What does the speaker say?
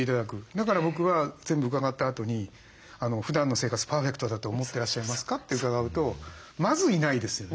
だから僕は全部伺ったあとに「ふだんの生活パーフェクトだと思ってらっしゃいますか？」って伺うとまずいないですよね。